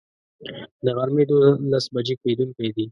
د غرمي دولس بجي کیدونکی دی